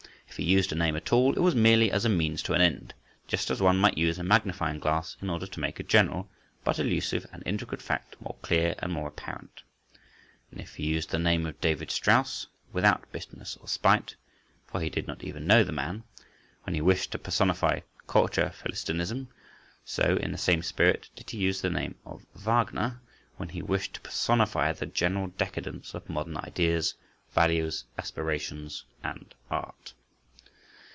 If he used a name at all, it was merely as a means to an end, just as one might use a magnifying glass in order to make a general, but elusive and intricate fact more clear and more apparent, and if he used the name of David Strauss, without bitterness or spite (for he did not even know the man), when he wished to personify Culture Philistinism, so, in the same spirit, did he use the name of Wagner, when he wished to personify the general decadence of modern ideas, values, aspirations and Art.